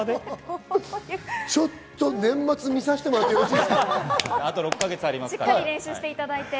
年末、見させてもらってよろしいですか？